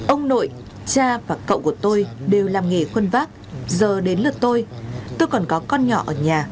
ông nội cha và cậu của tôi đều làm nghề khuân vác giờ đến lượt tôi tôi còn có con nhỏ ở nhà